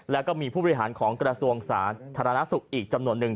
แล้วก็มีผู้บริหารของกระทรวงสาธารณสุขอีกจำนวนหนึ่ง